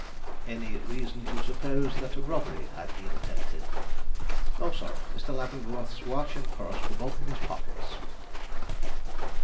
"Any reason to suppose that robbery had been attempted?" "No, sir. Mr. Leavenworth's watch and purse were both in his pockets."